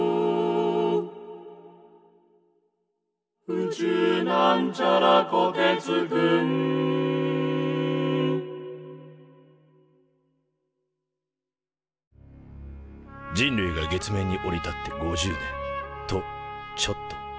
「宇宙」人類が月面に降り立って５０年。とちょっと。